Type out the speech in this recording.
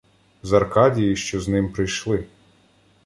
З Аркадії що з ним прийшли.